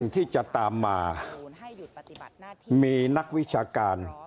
อย่างที่จะตามมานักวิชาการ